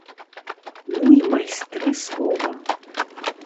Ну і майстры слова!